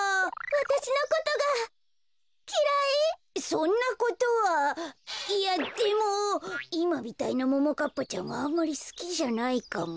そんなことはいやでもいまみたいなももかっぱちゃんはあんまりすきじゃないかも。